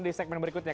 di segmen berikutnya